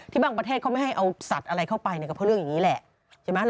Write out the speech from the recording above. บางประเทศเขาไม่ให้เอาสัตว์อะไรเข้าไปก็เพราะเรื่องอย่างนี้แหละใช่ไหม